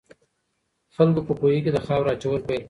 خلکو په کوهي کې د خاورو اچول پیل کړل.